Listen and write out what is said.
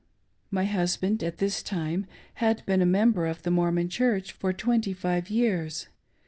My husband, at this time, had been a member of the Mor mon Church for twenty five years.